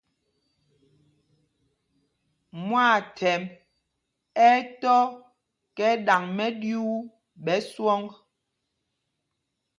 Mwâthɛmb ɛ́ ɛ́ tɔ kɛ ɗaŋ mɛɗyuu ɓɛ swɔŋ.